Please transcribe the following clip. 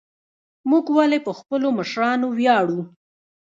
موږ ولې په خپلو مشرانو ویاړو؟